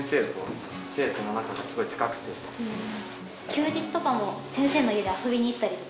休日とかも先生の家にあそびに行ったりとか。